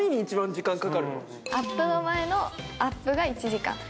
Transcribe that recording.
アップの前のアップが１時間。